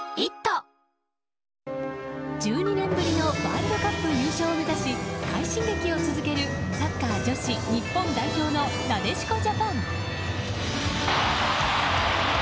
１２年ぶりのワールドカップ優勝を目指し快進撃を続けるサッカー女子日本代表のなでしこジャパン。